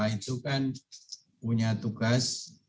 itu kan punya tugas